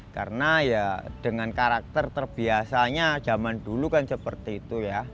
karena ya dengan karakter terbiasanya zaman dulu kan seperti itu ya